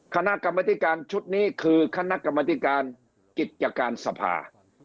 คณะกรรมธิการชุดนี้คือคณะกรรมธิการกิจการสภา